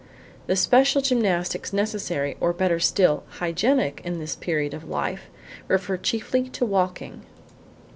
The special gymnastics necessary, or, better still, hygienic, in this period of life, refer chiefly to walking.